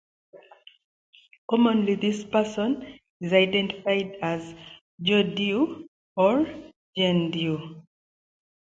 Commonly this person is identified as "John Doe" or "Jane Doe".